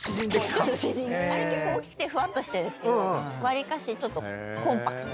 ちょっとあれ結構大きくてふわっとしてるんですけどわりかしコンパクトに。